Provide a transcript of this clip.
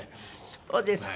そうですか。